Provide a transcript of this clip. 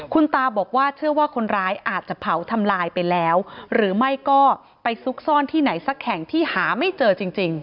คุณตาบอกว่าเชื่อว่าคนร้ายอาจจะเผาทำลายไปแล้วหรือไม่ก็ไปซุกซ่อนที่ไหนสักแห่งที่หาไม่เจอจริง